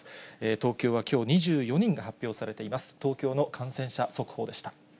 東京はきょう２４人が発表されています。